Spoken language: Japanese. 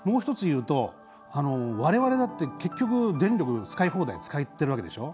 われわれは電力電力使い放題使ってるわけでしょ。